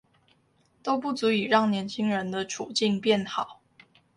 都不足以讓年輕人的處境變好